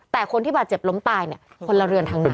แต่คนที่บาดเจ็บล้มตายเนี่ยคนละเรือนทั้งนั้น